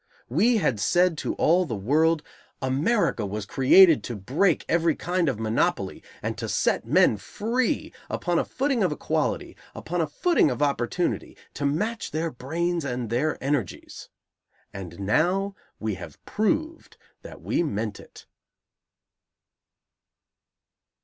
We had said to all the world, "America was created to break every kind of monopoly, and to set men free, upon a footing of equality, upon a footing of opportunity, to match their brains and their energies," and now we have proved that we meant it.